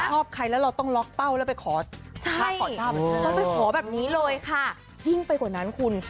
ชอบใครแล้วเราต้องล็อกเป้าแล้วไปขอเจ้าไปขอแบบนี้เลยค่ะยิ่งไปกว่านั้นคุณ